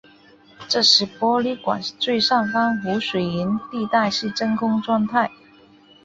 这时玻璃管最上方无水银地带是真空状态。